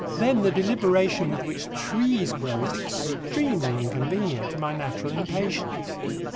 Then the deliberation with which trees grow is extremely inconvenient to my natural impatience."